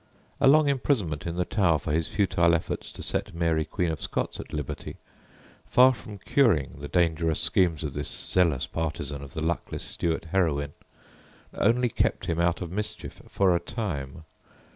A long imprisonment in the Tower for his futile efforts to set Mary Queen of Scots at liberty, far from curing the dangerous schemes of this zealous partisan of the luckless Stuart heroine, only kept him out of mischief for a time.